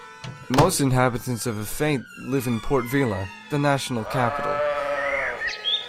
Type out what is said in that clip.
Most inhabitants of Efate live in Port Vila, the national capital.